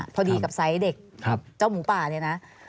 พอดีกับไซส์เด็กเจ้าหมูป่าเนี่ยนะ